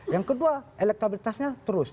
yang kedua elektabilitasnya terus